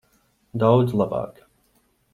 Daudz labāk.